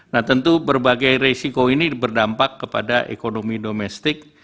nah tentu berbagai resiko ini berdampak kepada ekonomi domestik